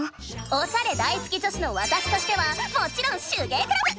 おしゃれ大好き女子のわたしとしてはもちろん手芸クラブ！